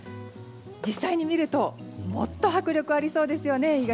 実際に見るともっと迫力ありそうですよね。